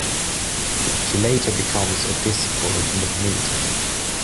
She later becomes a disciple of Magneto.